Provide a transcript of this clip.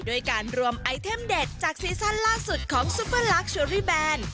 ด้วยการรวมไอเทมเด็ดจากซีซั่นล่าสุดของซุปเปอร์ลักษเชอรี่แบน